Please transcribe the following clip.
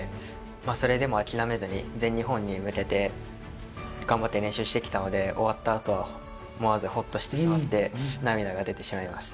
それでも諦めずに全日本に向けて頑張って練習してきたので終わった後は思わずほっとしてしまって涙が出てしまいました。